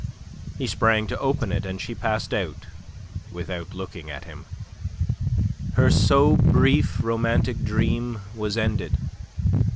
He sprang to open it, and she passed out without looking at him. Her so brief romantic dream was ended.